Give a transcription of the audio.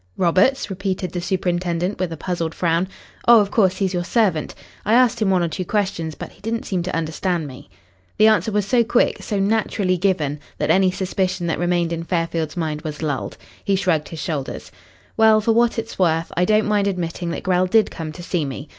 "Roberts?" repeated the superintendent, with a puzzled frown. "Oh, of course, he's your servant. I asked him one or two questions, but he didn't seem to understand me." The answer was so quick, so naturally given, that any suspicion that remained in Fairfield's mind was lulled. He shrugged his shoulders. "Well, for what it is worth, I don't mind admitting that Grell did come to see me.